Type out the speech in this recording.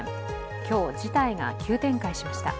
今日、事態が急展開しました。